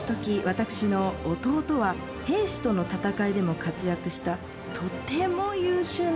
私の弟は平氏との戦いでも活躍したとても優秀な弟なんです。